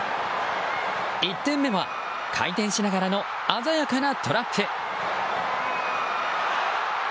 １点目は、回転しながらの鮮やかなトラップ。